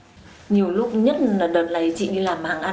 nhiều lúc nhất là đợt này chị đi làm hàng ăn